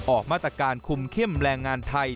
ออกมาตรการคุมเข้มแรงงานไทย